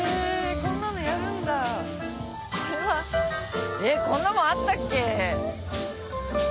こんなのやるんだ。えっこんなもんあったっけ？